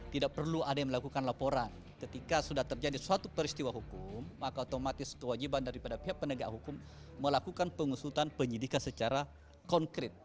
tidak perlu ada yang melakukan laporan ketika sudah terjadi suatu peristiwa hukum maka otomatis kewajiban daripada pihak penegak hukum melakukan pengusutan penyidikan secara konkret